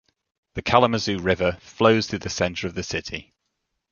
The Kalamazoo River flows through the center of the city.